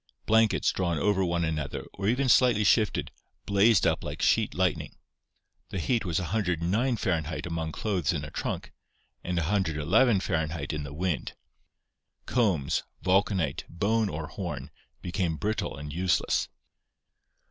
Blankets drawn over one another or even slightly shifted, blazed up like sheet lightning. The heat was 1090 Fahr. among clothes in a trunk, and ni° Fahr. in the wind: combs, vulcanite, bone or horn, became brittle and useless.